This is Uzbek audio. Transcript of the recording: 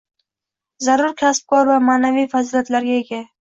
zarur kasb-kor va ma’naviy fazilatlarga ega